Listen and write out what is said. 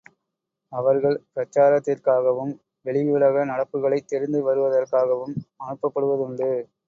அவர்கள் பிரசாரத்திற்காகவும், வெளியுலக நடப்புகளைத் தெரிந்து வருவதற்காகவும் அனுப்பப்படுவதுண்டு.